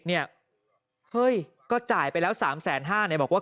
เนี่ยเฮ้ยก็จ่ายไปแล้ว๓แสน๕บอกว่า